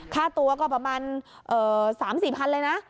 ค่าตัวก็ประมาณ๓๔๐๐เลยนะ